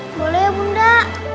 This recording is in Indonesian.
boleh ya bunda